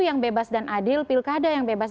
yang bebas dan adil pilkada yang bebas